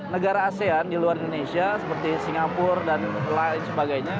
negara asean di luar indonesia seperti singapura dan lain sebagainya